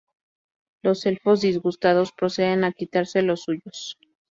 Los Elfos, disgustados, proceden a quitarse los suyos.